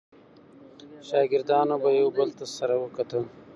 شاګردانو به یو بل ته سره وکتل.